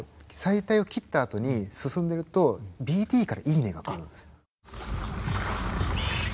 臍帯を切ったあとに進んでるとＢＴから「いいね」が来るんですよ。